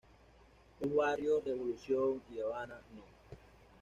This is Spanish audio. Los barrios Revolución y Habana No.